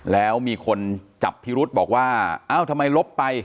แล้วมีคนจับพิรุษบอกว่าเอ้าทำไมลบไป